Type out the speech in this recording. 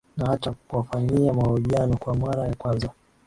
Na hata kuwafanyia mahojiano kwa mara ya kwanza